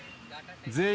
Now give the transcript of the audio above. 全員。